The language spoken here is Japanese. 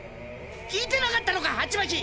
聞いてなかったのかハチマキ！